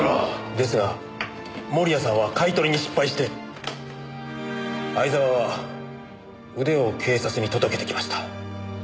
ですが盛谷さんは買い取りに失敗して相沢は腕を警察に届けてきました。